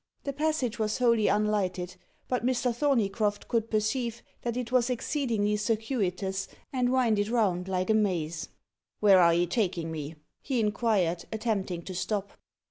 The passage was wholly unlighted, but Mr. Thorneycroft could perceive that it was exceedingly circuitous, and winded round like a maze. "Where are you taking me?" he inquired, attempting to stop.